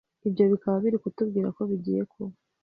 Ibyo bikaba biri kutubwira ko bigiye kuba